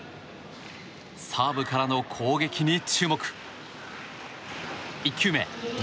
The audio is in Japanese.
サーブからの攻撃に注目。